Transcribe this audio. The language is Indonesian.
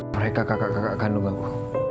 mereka kakak kakak kandungan aku